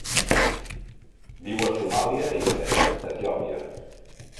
Viu a Somàlia i l'est d'Etiòpia.